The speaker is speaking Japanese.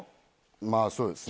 まあ、そうですね。